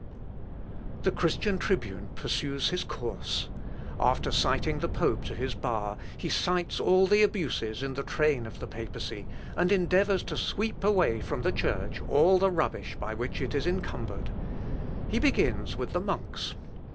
The Christian tribune pursues his course. After citing the pope to his bar, he cites all the abuses in the train of the papacy, and endeavours to sweep away from the Church all the rubbish by which it is encumbered. He begins with the monks.